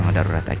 nampak gains kan